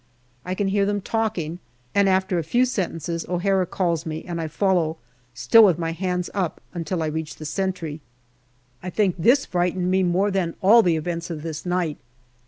I can hear them talking, and after a few sentences O'Hara calls me and I follow, still with my hands up, until I reach the sentry. I think this frightened me more than all the events of this night.